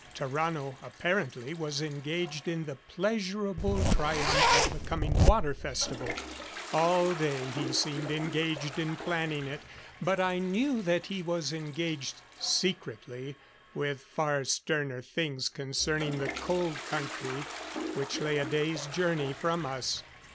Tarrano apparently was engaged in the pleasurable triumph of the coming Water Festival. All day he seemed engaged in planning it. But I knew that he was engaged secretly with far sterner things concerning the Cold Country, which lay a day's journey from us.